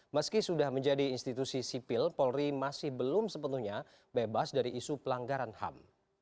meski sudah menjadi institusi sipil polri masih belum sepenuhnya bebas dari isu pelanggaran ham